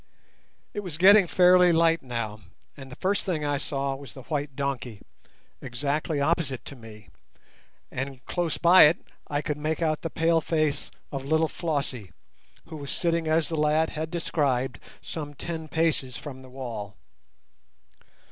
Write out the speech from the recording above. It was getting fairly light now, and the first thing I saw was the white donkey, exactly opposite to me, and close by it I could make out the pale face of little Flossie, who was sitting as the lad had described, some ten paces from the wall.